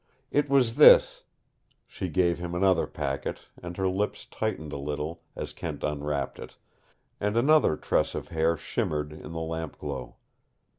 It was this " She gave him another packet, and her lips tightened a little as Kent unwrapped it, and another tress of hair shimmered in the lamp glow.